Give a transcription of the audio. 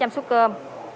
ba bảy trăm linh suất cơm